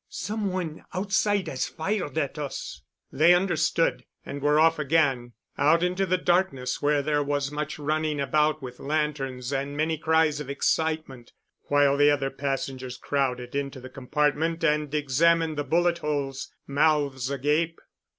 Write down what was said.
"Some one outside has fired at us——" They understood and were off again, out into the darkness where there was much running about with lanterns and many cries of excitement, while the other passengers crowded into the compartment and examined the bullet holes, mouths agape.